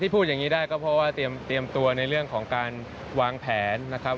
พูดอย่างนี้ได้ก็เพราะว่าเตรียมตัวในเรื่องของการวางแผนนะครับ